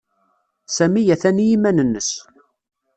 Sami a-t-an i yiman-nnes.